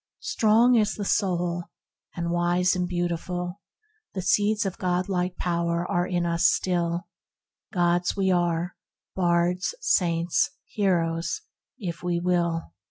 "Strong is the soul, and wise and beautiful; The seeds of God like power are in us still; Gods are we, bards, saints, heroes, if we will."